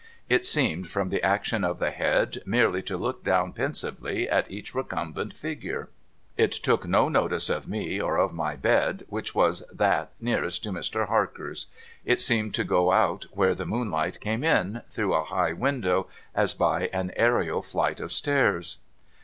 It seemed, from the action of the head, merely to look down pensively at each recumbent figure. It took no notice of me, or of my bed, which was that nearest to Mr. Harker's. It seemed to go out where the moonlight came in, through a high window, as by an aerial flight of stairs.